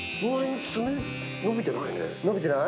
伸びてない？